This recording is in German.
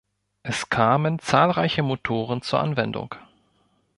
Es kamen zahlreiche Motoren zur Anwendung.